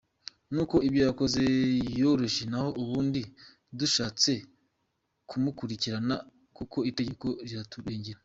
Nuko ibyo yakoze byoroshye naho ubundi dushatse twamukurikirana kuko itegeko riraturengera.